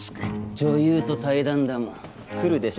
女優と対談だもん来るでしょ